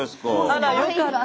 あらよかった。